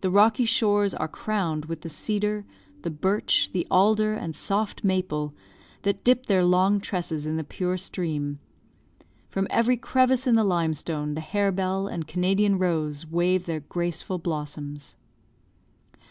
The rocky shores are crowned with the cedar, the birch, the alder, and soft maple, that dip their long tresses in the pure stream; from every crevice in the limestone the hare bell and Canadian rose wave their graceful blossoms.